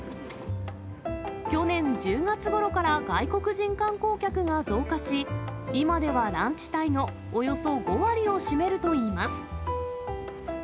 去年１０月ごろから外国人観光客が増加し、今ではランチ帯のおよそ５割を占めるといいます。